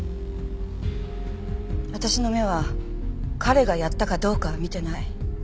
私の目は彼がやったかどうかは見てない。